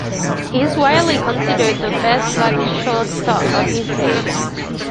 He is widely considered the best black shortstop of his day.